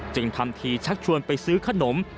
ทำทีชักชวนไปซื้อขนม